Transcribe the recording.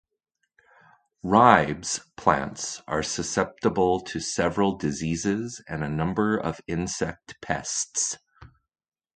"Ribes" plants are susceptible to several diseases and a number of insect pests.